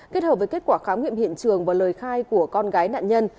kết hợp với kết quả khám nghiệm hiện trường và lời khai của con gái nạn nhân